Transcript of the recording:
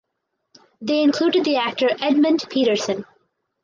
They included the actor Edmund Petersen.